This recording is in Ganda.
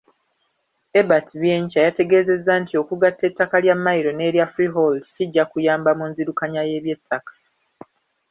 Ebert Byenkya yategeezezza nti okugatta ettaka lya mmayiro n’erya freehold kijja kuyamba mu nzirukanya y’eby'ettaka.